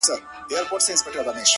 او ستا پر قبر به!